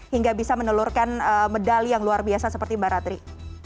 hingga bisa menelurkan medali yang luar biasa seperti mbak ratri